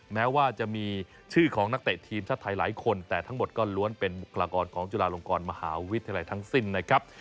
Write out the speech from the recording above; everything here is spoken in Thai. แม้ว่าจะมีชื่อของนักเตะทีมชาติไทยหลายคนแต่ทั้งหมดก็ล้วนเป็นบุคลากรของจุฬาลงกรมหาวิทยาลัยทั้งสิ้นนะครับ